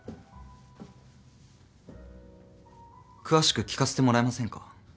詳しく聞かせてもらえませんか？